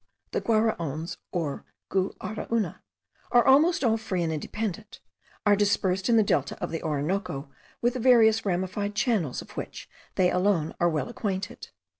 The Guaraons or Gu ara una, almost all free and independent, are dispersed in the Delta of the Orinoco, with the variously ramified channels of which they alone are well acquainted.